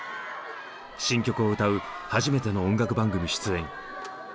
新曲を歌う初めての音楽番組出演。